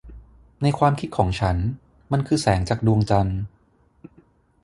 ในความคิดของฉันมันคือแสงจากดวงจันทร์